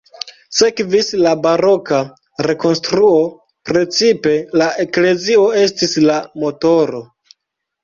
Sekvis la baroka rekonstruo, precipe la eklezio estis la motoro.